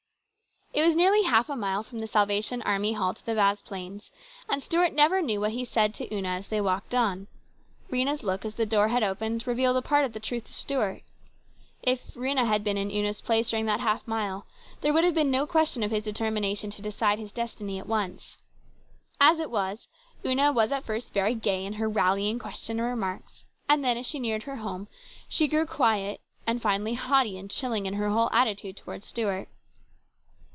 IT was nearly half a mile from the Salvation Army Hall to the Vasplaines', and Stuart never knew what he said to Una as they walked on. Rhena's look as the door had opened revealed a part of the truth to Stuart. If Rhena had been in Una's place during that half mile, there would have been no question of his determination to decide his destiny at once. As it was, Una was at first very gay in her rallying questions and remarks, and then as she neared her home she grew quiet, and finally haughty and chilling in her whole attitude towards Stuart.